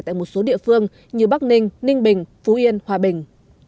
tại một số địa phương như bắc ninh ninh bình phú yên hòa bình